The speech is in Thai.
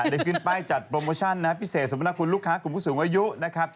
ได้ขึ้นไปจัดโปรโมชั่นพิเศษสำหรับคุณลูกค้ากลุ่มกุ้งสูงอายุนะครับ